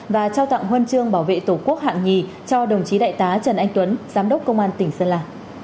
và trao tặng huân chương bảo vệ tổ quốc hạng nhì cho đồng chí đại tá trần anh tuấn giám đốc công an tỉnh sơn la